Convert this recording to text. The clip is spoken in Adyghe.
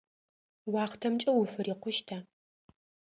Уахътэмкӏэ уфырикъущта?